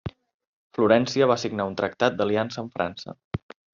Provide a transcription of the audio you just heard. Florència va signar un tractat d'aliança amb França.